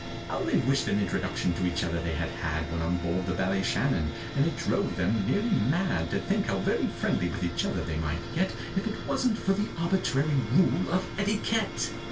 How they wished an introduction to each other they had had When on board the Ballyshannon! And it drove them nearly mad To think how very friendly with each other they might get, If it wasn't for the arbitrary rule of etiquette!